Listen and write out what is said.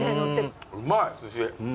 うまい寿司。